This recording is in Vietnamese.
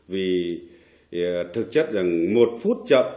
vì thực chất rằng một phút chậm